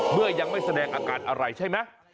เมื่อยังไม่แสดงอาการอะไรใช่ไหม